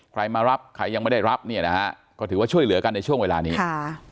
ใครมารับใครยังไม่ได้รับเนี่ยนะฮะก็ถือว่าช่วยเหลือกันในช่วงเวลานี้ค่ะ